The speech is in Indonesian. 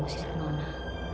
ngapain kamu sih nona